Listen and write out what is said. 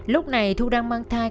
lúc này thu đang mang thai